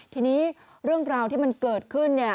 ทีนี้เรื่องราวที่มันเกิดขึ้น